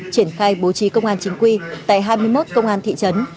triển khai bố trí công an chính quy tại hai mươi một công an thị trấn